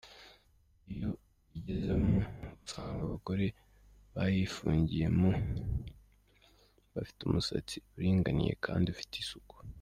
Iyo uyigezemo usanga abagore bayifungiyemo bafite umusatsi uringaniye kandi ufite isuku.